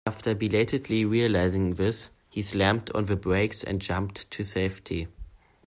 After belatedly realising this, he slammed on the brakes and jumped to safety.